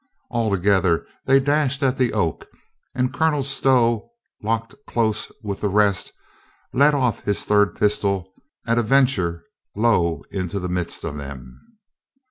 All together they dashed at the oak and Colonel Stow, locked close with the rest, let off his third pistol at a venture low into the midst of them.